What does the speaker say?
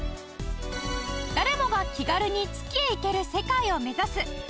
誰もが気軽に月へ行ける世界を目指す